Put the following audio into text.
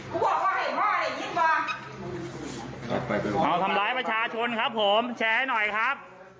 พ่อพ่อเห็นพ่อเห็นยิ่งป่ะเขาทำร้ายประชาชนครับผมแชร์ให้หน่อยครับ